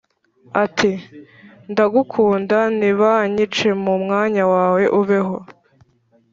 ati:ndagukunda nibanyice mu mwanya wawe, ubeho!